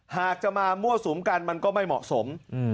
หากจะมามั่วสุมกันมันก็ไม่เหมาะสม